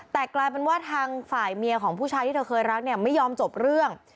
แต่กลายเป็นว่าทางฝ่ายเมียของผู้ชายที่เธอเคยรักเนี่ยไม่ยอมจบเรื่อง